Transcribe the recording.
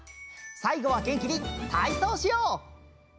さいごはげんきにたいそうしよう！